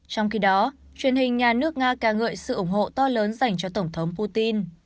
trong khi đó truyền hình nhà nước nga ca ngợi sự ủng hộ to lớn dành cho tổng thống putin